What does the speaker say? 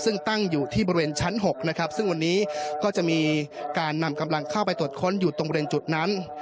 ซึ่งตั้งอยู่ที่บริเวณชั้น๖นะครับซึ่งวันนี้ก็จะมีการนำกำลังเข้าไปตรวจค้นอยู่ตรงบริเวณจุดนั้น